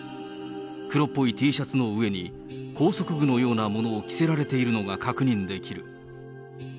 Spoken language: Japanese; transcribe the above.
黒っぽいＴシャツの上に、拘束具のようなものを着せられているのが確認できる。